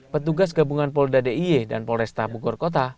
petugas gabungan polda d i y dan polresta bukurkota